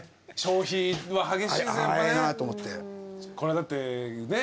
これはだってねえ。